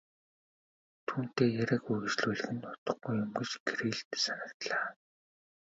Түүнтэй яриаг үргэжлүүлэх нь утгагүй юм гэж Кириллд санагдлаа.